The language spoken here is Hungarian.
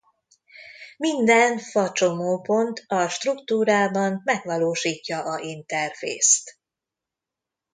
Minden fa csomópont a struktúrában megvalósítja a interfészt.